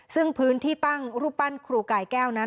ซึ่งพื้นที่ตั้งรูปปั้นครูกายแก้วนั้น